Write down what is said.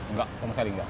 enggak sama sekali enggak